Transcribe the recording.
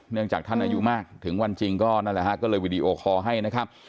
เนื่องจากท่านอายุมากถึงวันจริงก็เลยวิดีโอคอให้นะครับ